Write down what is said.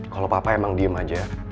kalau papa emang diem aja